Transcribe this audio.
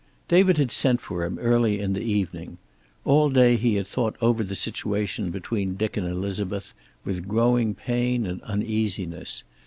David had sent for him early in the evening. All day he had thought over the situation between Dick and Elizabeth, with growing pain and uneasiness.